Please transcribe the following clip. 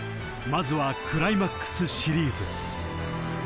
まずはクライマックスシリーズ］